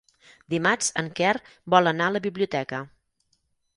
Dimarts en Quer vol anar a la biblioteca.